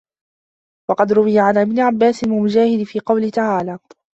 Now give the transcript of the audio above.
وَقَدْ رُوِيَ عَنْ ابْنِ عَبَّاسٍ وَمُجَاهِدٍ فِي قَوْله تَعَالَى